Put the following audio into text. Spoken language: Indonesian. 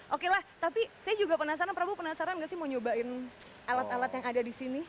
oke lah tapi saya juga penasaran prabu penasaran gak sih mau nyobain alat alat yang ada di sini